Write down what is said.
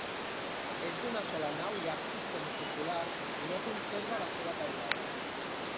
És d'una sola nau i absis semicircular i no conserva la seva teulada.